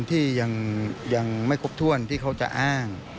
ที่ยังไม่ครบถ้วนที่เขาจะอ้าง